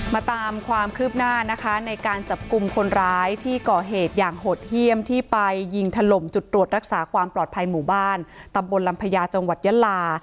มาตามความคืบหน้านะคะในการจับกลุ่มคนร้ายที่ก่อเหตุอย่างโหดเยี่ยมที่ไปยิงถล่มจุดตรวจรักษาความปลอดภัยหมู่บ้านตำบลลำพญาจังหวัดยะลา